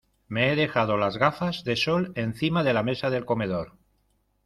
Me he dejado las gafas de sol encima de la mesa del comedor.